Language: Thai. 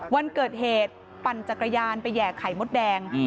วันเกิดเหตุปั่นจักรยานไปแห่ไข่มดแดง